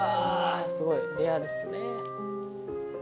すごいレアですね。